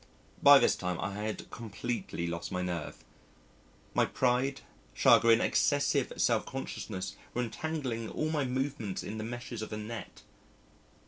By this time I had completely lost my nerve. My pride, chagrin, excessive self consciousness were entangling all my movements in the meshes of a net.